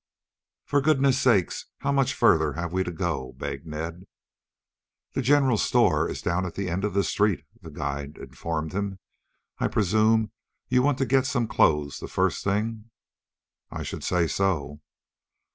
"For goodness' sake, how much further have we to go?" begged Ned. "The general store is down at the end of the street," the guide informed him. "I presume you want to get some clothes the first thing?" "I should say so."